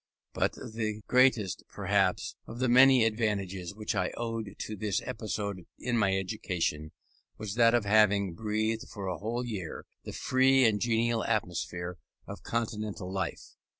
But the greatest, perhaps, of the many advantages which I owed to this episode in my education, was that of having breathed for a whole year, the free and genial atmosphere of Continental life.